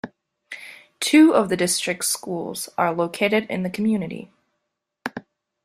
Two of the district's schools are located in the community.